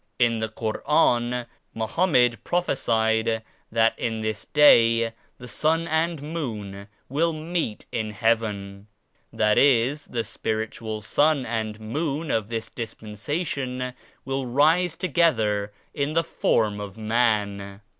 In the Koran Mo hammed prophesied that in this Day the Sun and Moon will meet in Heaven ; that is the spiritual Sun and Moon of this Dispensation will rise to gether in the form of man.